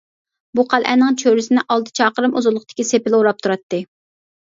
بۇ قەلئەنىڭ چۆرىسىنى ئالتە چاقىرىم ئۇزۇنلۇقتىكى سېپىل ئوراپ تۇراتتى.